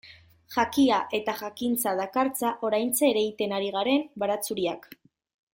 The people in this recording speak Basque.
Jakia eta jakintza dakartza oraintxe ereiten ari garen baratxuriak.